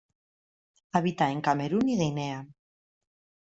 Habita en Camerún y Guinea.